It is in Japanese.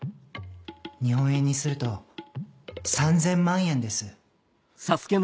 日本円にすると３千万円です。